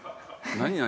何？